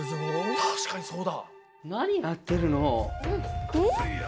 確かにそうだ。